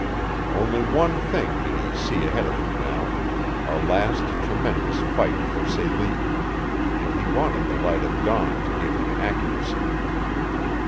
Only one thing did he see ahead of him now a last tremendous fight for Celie, and he wanted the light of dawn to give him accuracy.